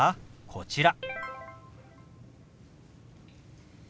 こちら。